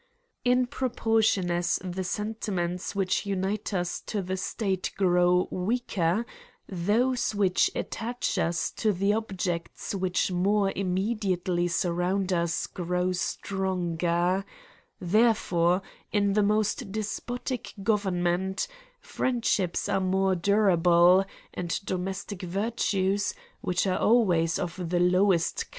In proportion as the sentiments which unite us to the state grow weaker, those which attach us to the objects which more immediately surround us grow stronger ; therefore, in the most despotic government, friendships are more durable, and domestic virtues (which are always of the lowest CRTMES ANto PrNISHMENTS.